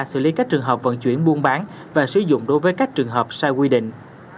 xử lý các trường hợp vận chuyển buôn bán và sử dụng đối với các trường hợp sai quy định